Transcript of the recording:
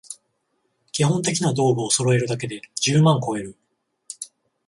基本的な道具をそろえるだけで十万こえる